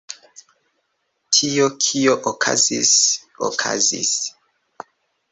Tio, kio okazis, okazis.